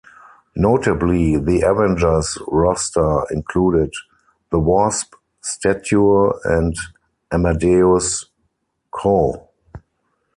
Notably, the Avengers roster included the Wasp, Stature and Amadeus Cho.